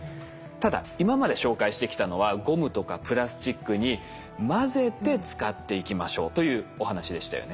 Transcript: ただ今まで紹介してきたのはゴムとかプラスチックに混ぜて使っていきましょうというお話でしたよね。